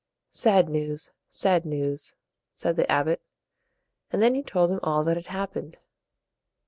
"Sad news, sad news," said the abbot; and then he told him all that had happened.